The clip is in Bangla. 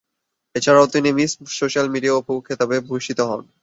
এছাড়াও তিনি 'মিস সোশ্যাল মিডিয়া' উপ খেতাবে ভূষিত হন।